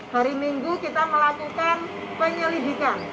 hari minggu kita melakukan penyelidikan